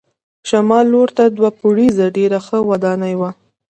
شمال لور ته دوه پوړیزه ډېره ښه ودانۍ وه.